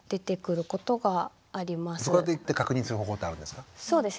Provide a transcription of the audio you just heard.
それは確認する方法ってあるんですか？